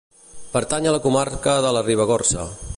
Pertany a la comarca de la Ribagorça.